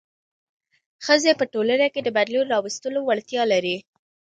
ښځې په ټولنه کې د بدلون راوستلو وړتیا لري.